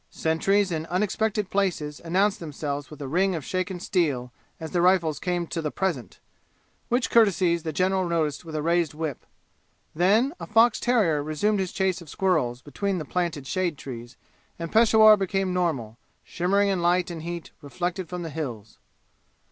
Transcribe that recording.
Sentries in unexpected places announced themselves with a ring of shaken steel as their rifles came to the "present," which courtesies the general noticed with a raised whip. Then a fox terrier resumed his chase of squirrels between the planted shade trees, and Peshawur became normal, shimmering in light and heat reflected from the "Hills."